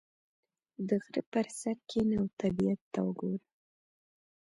• د غره پر سر کښېنه او طبیعت ته وګوره.